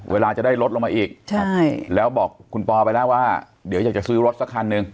เวลาจะได้ลดลงมาอีกใช่แล้วบอกคุณปอไปแล้วว่าเดี๋ยวอยากจะซื้อรถสักคันหนึ่ง